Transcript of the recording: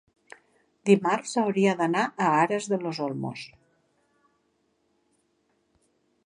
Dimarts hauria d'anar a Aras de los Olmos.